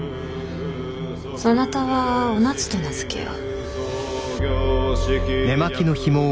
そなたはお夏と名付けよう。